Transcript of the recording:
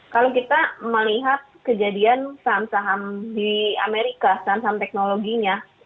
kalau kita melihat kejadian saham saham di amerika saham saham teknologinya